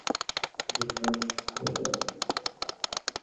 নিস্তব্ধ ঘাটটি মুহুর্তে হইয়া উঠিল মুখরিত।